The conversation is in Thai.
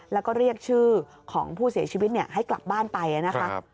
แล้วก็เรียกชื่อของผู้เสียชีวิตให้กลับบ้านไปนะคะ